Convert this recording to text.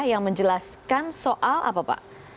yang menjelaskan soal apa pak